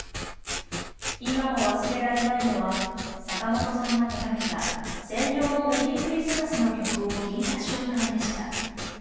今も忘れられないのは坂本さんが手がけた「戦場のメリークリスマス」の曲を聴いた瞬間でした。